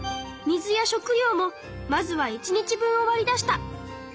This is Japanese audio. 水や食料もまずは１日分をわり出した。